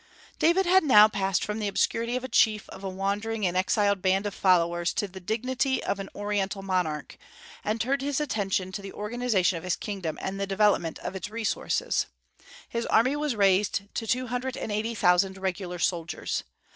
David had now passed from the obscurity of a chief of a wandering and exiled band of followers to the dignity of an Oriental monarch, and turned his attention to the organization of his kingdom and the development of its resources. His army was raised to two hundred and eighty thousand regular soldiers.